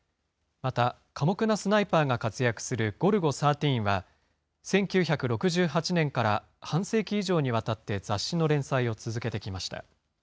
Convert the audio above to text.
また、寡黙なスナイパーが活躍するゴルゴ１３は、１９６８年から半世紀以上にわたって雑誌の連載を続けてきました。